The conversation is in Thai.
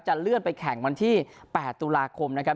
เลื่อนไปแข่งวันที่๘ตุลาคมนะครับ